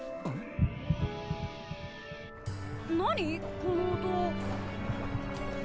何この音？